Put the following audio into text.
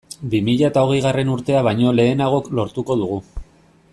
Bi mila eta hogeigarren urtea baino lehenago lortuko dugu.